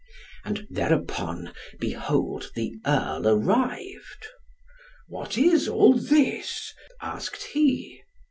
And thereupon, behold the earl arrived. "What is all this?" asked he.